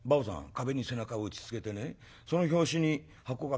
壁に背中を打ちつけてねその拍子に箱がガタッと揺れてさ